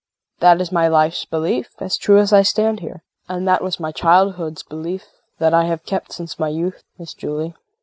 That is my life's belief, as true as I stand here. And that was my childhood's belief that I have kept since my youth, Miss Julie.